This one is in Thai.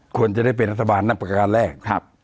ควรจะได้เป็นรัฐบาลนั่นประการแรก